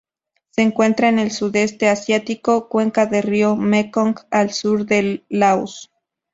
Se encuentra en el Sudeste asiático: cuenca del río Mekong al sur de Laos.